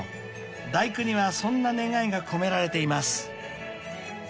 ［『第九』にはそんな願いが込められています］